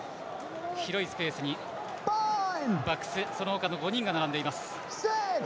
広いスペースにバックスそのほかの５人が並んでいます。